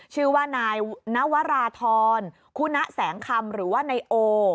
ชื่อว่านายนวราธรคุณะแสงคำหรือว่านายโอ